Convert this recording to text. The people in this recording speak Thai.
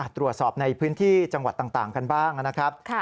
ตรวจสอบในพื้นที่จังหวัดต่างกันบ้างนะครับ